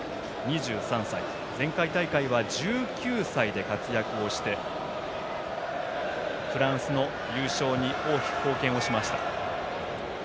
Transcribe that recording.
２３歳、前回大会は１９歳で活躍をしてフランスの優勝に大きく貢献しました。